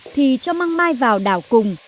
thì cho măng mai vào đảo cùng